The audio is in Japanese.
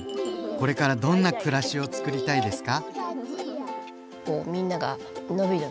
これからどんな暮らしをつくりたいですか？